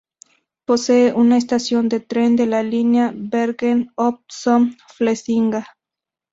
Posee una estación de tren de la línea Bergen op Zoom-Flesinga.